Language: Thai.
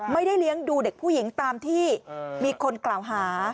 ไม่ได้เลี้ยงดูเด็กผู้หญิงตามที่มีคนกล่าวหา